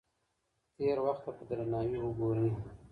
تېر وخت ته په درناوي وګورئ.